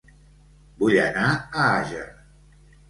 Vull anar a Àger